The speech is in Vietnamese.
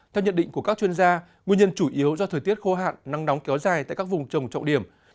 theo nhận định của các chuyên gia nguyên nhân chủ yếu do thời tiết khô hạn nắng nóng kéo dài tại các vùng trồng trọng điểm